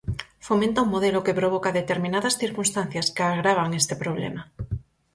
Fomenta un modelo que provoca determinadas circunstancias que agravan este problema.